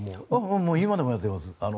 今でもやっています。